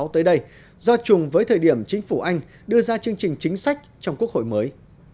tới đây do chùng với thời điểm chính phủ anh đưa ra chương trình chính sách trong quốc hội mới